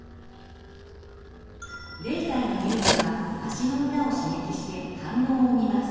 ０歳の乳児は足の裏を刺激して反応を見ます。